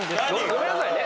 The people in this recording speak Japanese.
ごめんなさいね。